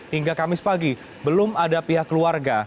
hingga kamis pagi belum ada pihak keluarga